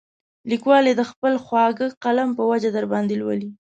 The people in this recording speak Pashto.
لیکوال یې د خپل خواږه قلم په وجه درباندې لولي.